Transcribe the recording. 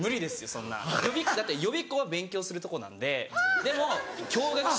そんなだって予備校は勉強するとこなんででも共学出身者。